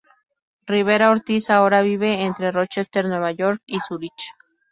Rivera-Ortiz ahora vive entre Rochester, Nueva York y Zúrich.